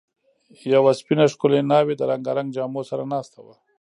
یوه سپینه، ښکلې ناوې د رنګارنګ جامو سره ناسته وه.